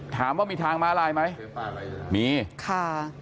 ถามว่ามีทางม้าลายไหมมีค่ะ